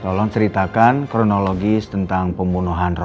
tolong ceritakan kronologis tentang pembunuhan